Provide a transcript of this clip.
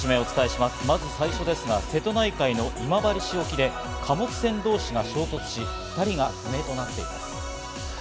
まず最初ですが、瀬戸内海の今治市沖で貨物船同士が衝突し、２人が不明となっています。